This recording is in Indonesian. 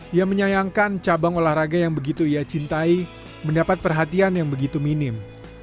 ia menyayangkan cabang olahraga yang begitu ia cintai mendapat perhatian yang begitu minim